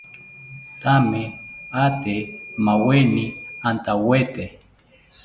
Thame ate maweni antawete